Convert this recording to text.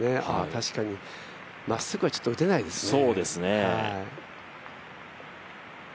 確かにまっすぐはちょっと打てないですね。